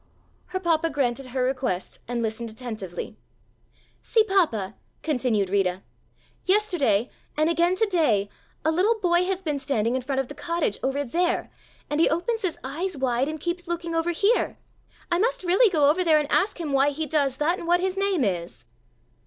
Her papa granted her request and listened attentively. "See, Papa," continued Rita, "yesterday and again to day, a little boy has been standing in front of the cottage, over there, and he opens his eyes wide and keeps looking over here. I must really go over there and ask him why he does that and what his name is."